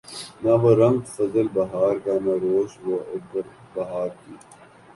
نہ وہ رنگ فصل بہار کا نہ روش وہ ابر بہار کی